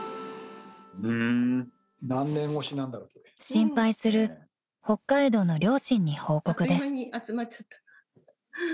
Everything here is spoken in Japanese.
［心配する北海道の両親に報告です］